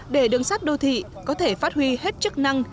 để đường sắt đô thị có thể phát huy hết chức năng